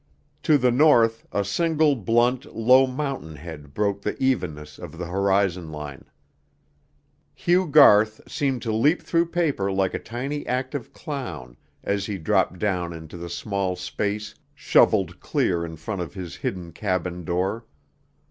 To the north a single blunt, low mountain head broke the evenness of the horizon line. Hugh Garth seemed to leap through paper like a tiny active clown as he dropped down into the small space shoveled clear in front of his hidden cabin door.